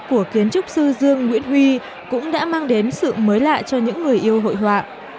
của kiến trúc sư dương nguyễn huy cũng đã mang đến sự mới lạ cho những người yêu hội họa